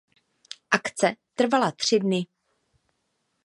Akce trvala tři dny.